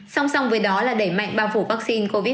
song song với đó là đẩy mạnh bao phủ vaccine covid một mươi chín